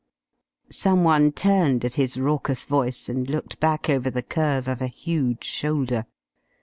Someone turned at his raucous voice and looked back over the curve of a huge shoulder.